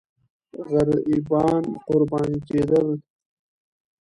غریبان قرباني کېدل.